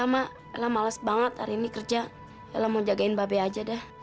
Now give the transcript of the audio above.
engga mak ela malas banget hari ini kerja ela mau jagain mbak be aja dah